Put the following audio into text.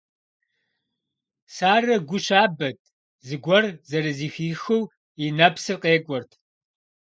Сарэ гу щабэт, зыгуэр зэрызэхихыу и нэпсыр къекӏуэрт.